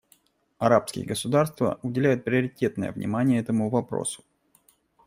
Арабские государства уделяют приоритетное внимание этому вопросу.